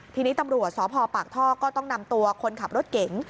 ทีนี้ตำรวจสพปากท่อก็ต้องนำตัวคนขับรถเก๋ง